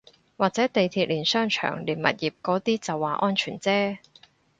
或者地鐵連商場連物業嗰啲就話安全啫